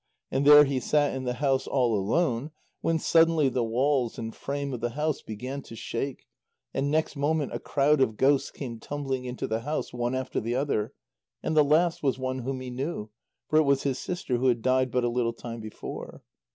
And there he sat in the house all alone, when suddenly the walls and frame of the house began to shake, and next moment a crowd of ghosts came tumbling into the house, one after the other, and the last was one whom he knew, for it was his sister, who had died but a little time before.